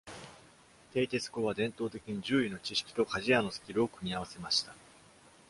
蹄鉄工は伝統的に獣医の知識と鍛冶屋のスキルを組み合わせました。